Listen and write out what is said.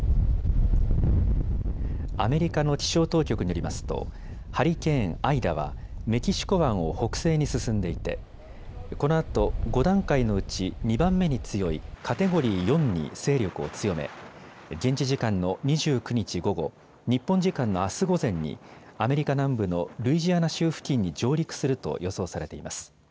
アメリカの気象当局によりますとハリケーン、アイダはメキシコ湾を北西に進んでいてこのあと５段階のうち２番目に強いカテゴリー４に勢力を強め現地時間の２９日午後、日本時間のあす午前にアメリカ南部のルイジアナ州付近に上陸すると予想されています。